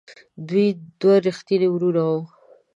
دوی دوه ریښتیني وروڼه وو.